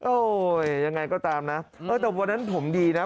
โอ้ยยังไงก็ตามนะแต่วันนั้นผมดีนะ